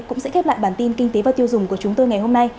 cũng sẽ khép lại bản tin kinh tế và tiêu dùng của chúng tôi ngày hôm nay